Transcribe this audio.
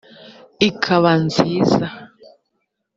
ikaba nziza